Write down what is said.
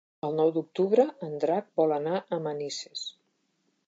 El nou d'octubre en Drac vol anar a Manises.